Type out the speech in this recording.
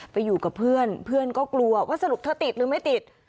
ไปอยู่กับเพื่อนเพื่อนก็กลัวว่าสรุปเธอติดหรือไม่ติด